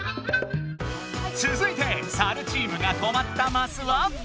つづいてサルチームがとまったマスは？